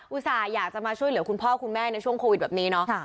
ส่าห์อยากจะมาช่วยเหลือคุณพ่อคุณแม่ในช่วงโควิดแบบนี้เนาะ